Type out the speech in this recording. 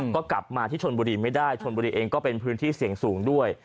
ก็กลับมาที่ชนบุรีไม่ได้ชนบุรีเองก็เป็นพื้นที่เสี่ยงสูงด้วย